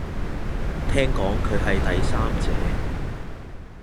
聽講佢係第三者